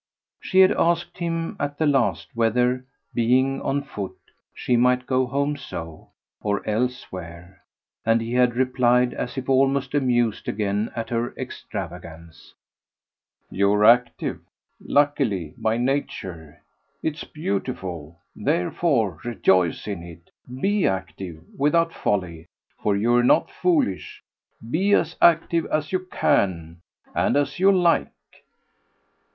She had asked him at the last whether, being on foot, she might go home so, or elsewhere, and he had replied as if almost amused again at her extravagance: "You're active, luckily, by nature it's beautiful: therefore rejoice in it. BE active, without folly for you're not foolish: be as active as you can and as you like."